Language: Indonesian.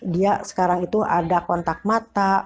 dia sekarang itu ada kontak mata